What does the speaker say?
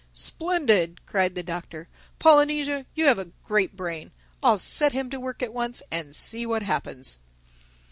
"Splendid!" cried the Doctor. "Polynesia, you have a great brain. I'll set him to work at once and see what happens."